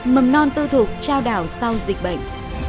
mầm non tư thuộc trao đảo sau dịch bệnh